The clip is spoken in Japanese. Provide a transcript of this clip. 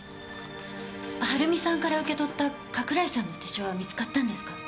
はるみさんから受け取った加倉井さんの手帳は見つかったんですか？